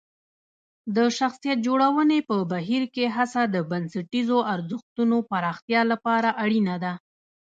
د شخصیت جوړونې په بهیر کې هڅه د بنسټیزو ارزښتونو پراختیا لپاره اړینه ده.